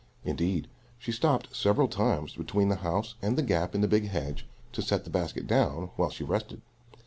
Indeed, she stopped several times between the house and the gap in the big hedge to set the basket down while she rested.